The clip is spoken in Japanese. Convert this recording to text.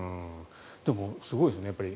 でもすごいですね。